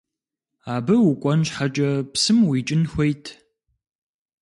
Абы укӏуэн щхьэкӏэ псым уикӏын хуейт.